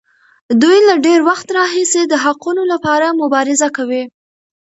دوی له ډېر وخت راهیسې د حقونو لپاره مبارزه کوي.